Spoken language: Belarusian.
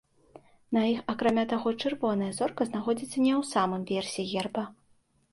На іх, акрамя таго, чырвоная зорка знаходзіцца не ў самым версе герба.